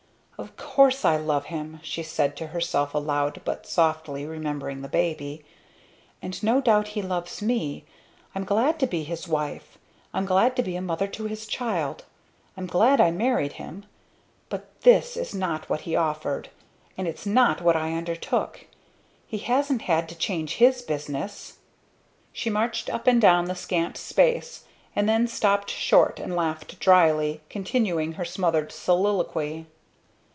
"Of course I love him!" she said to herself aloud but softly, remembering the baby, "And no doubt he loves me! I'm glad to be his wife! I'm glad to be a mother to his child! I'm glad I married him! But this is not what he offered! And it's not what I undertook! He hasn't had to change his business!" She marched up and down the scant space, and then stopped short and laughed drily, continuing her smothered soliloquy.